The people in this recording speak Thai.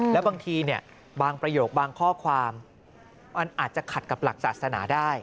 แล้วบางทีบางประโยคบางข้อความมันอาจจะขัดกับหลักศาสนาได้